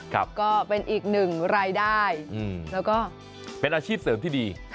ก็เป็นอีกหนึ่งรายได้แล้วก็เป็นอาชีพเสริมที่ดี